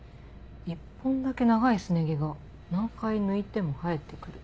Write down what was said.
「一本だけ長いすね毛が何回抜いても生えてくる」。